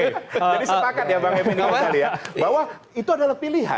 jadi sepakat ya bang m m ini bahwa itu adalah pilihan